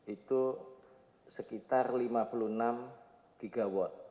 itu sekitar lima puluh enam gigawatt